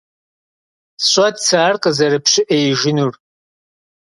СщӀат сэ ар къызэрыпщыӀеижынур.